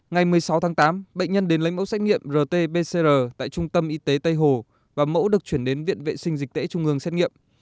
ngày một mươi sáu tháng tám bệnh nhân đến lấy mẫu xét nghiệm rt pcr tại trung tâm y tế tây hồ và mẫu được chuyển đến viện vệ sinh dịch tễ trung ương xét nghiệm